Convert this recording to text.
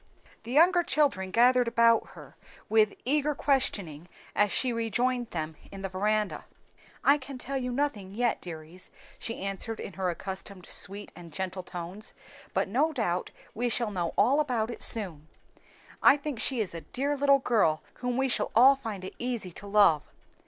The younger children gathered about her, with eager questioning as she rejoined them in the veranda. "I can tell you nothing yet, dears," she answered in her accustomed sweet and gentle tones, "but no doubt we shall know all about it soon. I think she is a dear little girl whom we shall all find it easy to love.